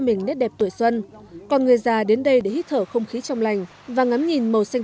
mình nét đẹp tuổi xuân còn người già đến đây để hít thở không khí trong lành và ngắm nhìn màu xanh